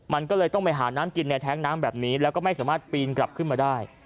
มันก็เลยต้องไปหาน้ำกินในแท้งน้ำแบบนี้แล้วก็ไม่สามารถปีนกลับขึ้นมาได้